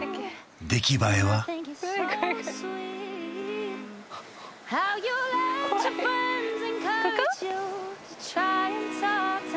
出来栄えは怖いここ？